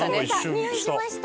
においしました。